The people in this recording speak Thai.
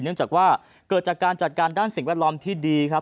เนื่องจากว่าเกิดจากการจัดการด้านสิ่งแวดล้อมที่ดีครับ